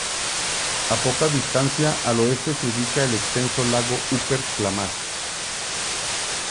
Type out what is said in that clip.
A poca distancia al oeste se ubica el extenso Lago Upper Klamath.